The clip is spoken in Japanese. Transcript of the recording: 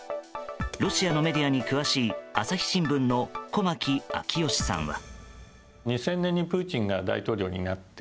ロシアのメディアに詳しい朝日新聞の駒木明義さんは。